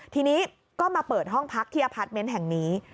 ทีนี้ก็มาเปิดห้องพักที่อพาร์ทเมนต์แห่งนี้